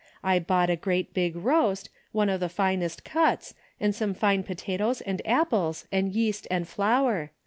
I bought a great big roast, one of the finest cuts, and some fine po tatoes and apples and yeast and flour.